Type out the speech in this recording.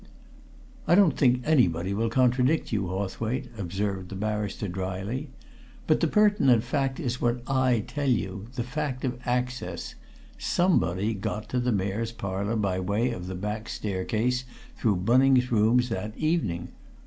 "I don't think anybody will contradict you, Hawthwaite," observed the barrister dryly. "But the pertinent fact is what I tell you the fact of access! Somebody got to the Mayor's Parlour by way of the back staircase, through Bunning's rooms, that evening.